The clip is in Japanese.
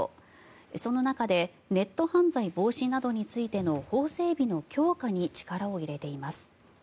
その中でネット犯罪防止などについての法整備の強化に力を入れています。